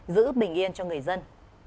giữ bình yên cho người dân